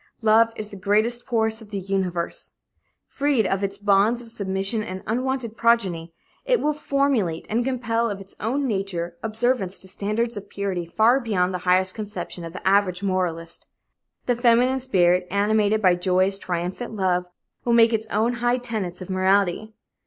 Love is the greatest force of the universe; freed of its bonds of submission and unwanted progeny, it will formulate and compel of its own nature observance to standards of purity far beyond the highest conception of the average moralist. The feminine spirit, animated by joyous, triumphant love, will make its own high tenets of morality.